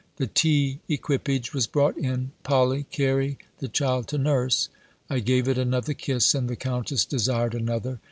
The tea equipage was brought in. "Polly, carry the child to nurse." I gave it another kiss, and the Countess desired another.